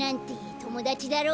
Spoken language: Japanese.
ともだちだろ。